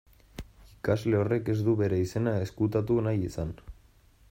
Ikasle horrek ez du bere izena ezkutatu nahi izan.